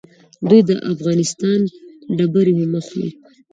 دوی د افغانستان ډبرې هم اخلي.